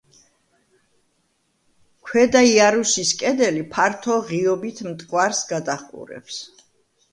ქვედა იარუსის კედელი ფართო ღიობით მტკვარს გადაჰყურებს.